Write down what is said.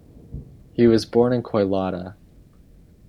He was born in Koilada.